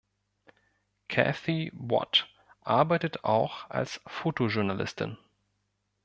Kathy Watt arbeitet auch als Fotojournalistin.